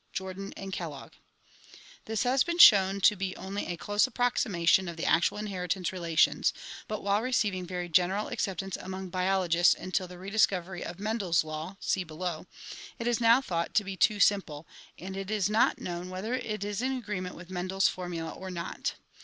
HEREDITY 157 • This has been shown to be only a close approximation of the actual inheritance relations, but while receiving very general ac ceptance among biologists until the rediscovery of Mendel's law (see below), it is now thought to be too simple, and it is not known whether it is in agreement with Mendel's formula or not.